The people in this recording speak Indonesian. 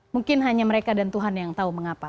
mungkin hanya mereka dan tuhan yang tahu mengapa